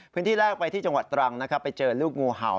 แรกไปที่จังหวัดตรังนะครับไปเจอลูกงูเห่า